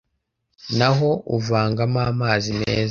Naho uvangamo amazi meza